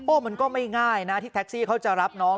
มันก็ไม่ง่ายนะที่แท็กซี่เขาจะรับน้อง